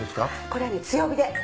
これはね強火で。